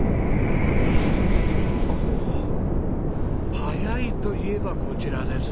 早いといえばこちらですね。